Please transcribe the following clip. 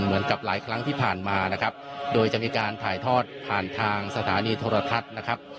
เหมือนกับหลายครั้งที่ผ่านมานะครับโดยจะมีการถ่ายทอดผ่านทางสถานีโทรทัศน์นะครับ